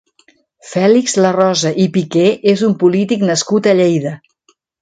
Fèlix Larrosa i Piqué és un polític nascut a Lleida.